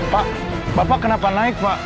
pak bapak kenapa naik pak